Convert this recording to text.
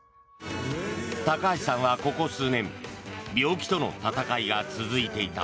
高橋さんはここ数年病気との闘いが続いていた。